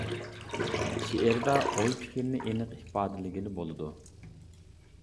شېئىردا ئوي پىكىرنى ئېنىق ئىپادىلىگىلى بولىدۇ.